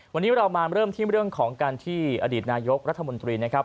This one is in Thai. วันนี้เรามาเริ่มที่เรื่องของการที่อดีตนายกรัฐมนตรีนะครับ